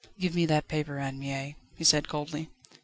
"Give me that paper, Anne Mie," he said coldly.